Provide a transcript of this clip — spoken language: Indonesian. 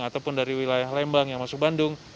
ataupun dari wilayah lembang yang masuk bandung